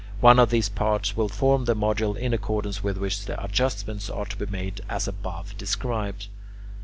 One of these parts will form the module in accordance with which the adjustments are to be made as above described.